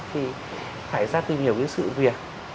thì phải ra tìm hiểu cái sự việc